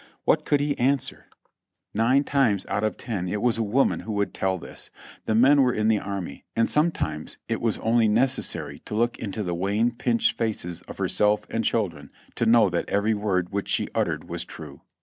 What could he answer? Nine times 440 JOHNNY REB and BII^IvY YANK out of ten it was a woman who would tell this ; the men were in the army, and sometimes it was only necessary to look into the wan, pinched faces of herself and children to know that every word which she uttered was true.